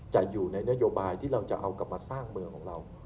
จะอยู่ในนโยบายที่เราจะเอากลับมาสร้างเมืองของเรา